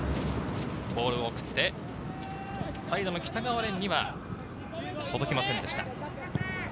ボールを送って、サイドの北川漣には届きませんでした。